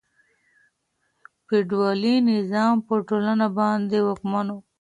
فیوډالي نظام په ټولنه باندې واکمن و.